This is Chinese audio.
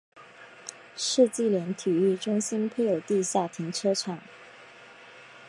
世纪莲体育中心配有地下停车场。